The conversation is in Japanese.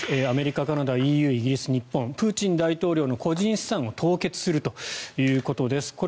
アメリカ、カナダ、ＥＵイギリス、日本プーチン大統領の個人資産を凍結するということです。